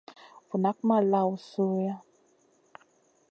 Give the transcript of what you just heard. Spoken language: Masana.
Vu nak ma lawn sui nʼa.